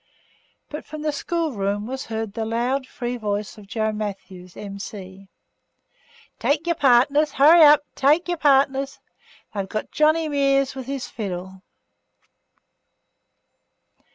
But from the schoolroom was heard the loud, free voice of Joe Matthews, M.C., 'Take yer partners! Hurry up! Take yer partners! They've got Johnny Mears with his fiddle!